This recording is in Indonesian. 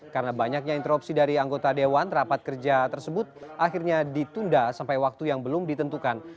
karena banyaknya interupsi dari anggota dewan rapat kerja tersebut akhirnya ditunda sampai waktu yang belum ditentukan